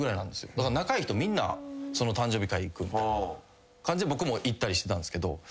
だから仲いい人みんなその誕生日会行くみたいな感じで僕も行ったりしてたんすけど。